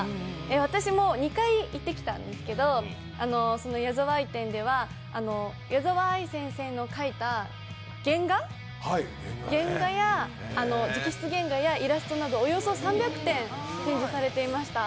私も２回行ってきたんですけと矢沢あい展では矢沢あい先生の描いた直筆原画やイラストなどおよそ３００点展示されていました。